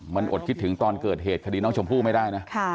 มันอดคิดถึงตอนเกิดเหตุคดีน้องชมพู่ไม่ได้นะ